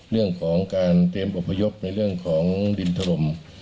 เรื่องของการเตรียมอบพยพในเรื่องของดินถล่ม